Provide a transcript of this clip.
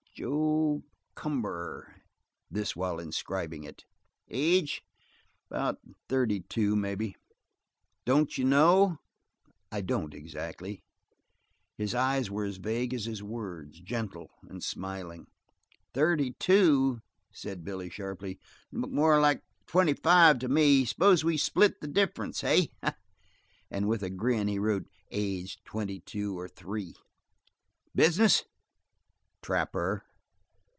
"Joe Cumber," this while inscribing it. "Age?" "About thirty two, maybe." "Don't you know?" "I don't exactly." His eyes were as vague as his words, gentle, and smiling. "Thirty two?" said Billy sharply. "You look more like twenty five to me. S'pose we split the difference, eh?" And with a grin he wrote: "Age twenty two or three." "Business?" "Trapper."